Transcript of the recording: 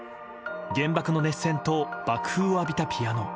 原爆の熱線と爆風を浴びたピアノ